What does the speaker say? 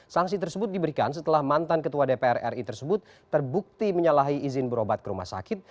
sanksi tersebut diberikan setelah mantan ketua dpr ri tersebut terbukti menyalahi izin berobat ke rumah sakit